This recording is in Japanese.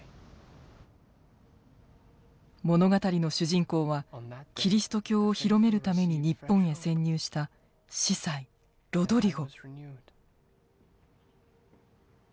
物語の主人公はキリスト教を広めるために日本へ潜入した司祭ロドリゴ。